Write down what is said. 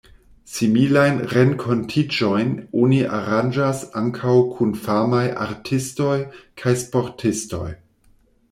Similajn renkontiĝojn oni aranĝas ankaŭ kun famaj artistoj kaj sportistoj.